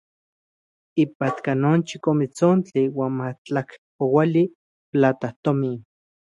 Ipatka non chikometsontli uan matlakpoali platajtomin.